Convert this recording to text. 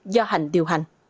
do hạnh điều hành